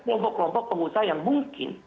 kelompok kelompok pengusaha yang mungkin